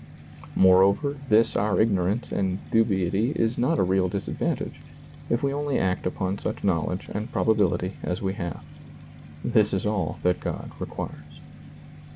Moreover, this our ignorance and dubiety is not a real disadvantage, if we only act upon such knowledge and probability as we have. This is all that God requires.